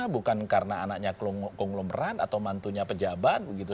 bukan karena anaknya konglomerat atau mantunya pejabat begitu